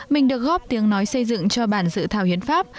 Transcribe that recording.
mình được góp tiếng nói xây dựng cho bản dự thảo hiến pháp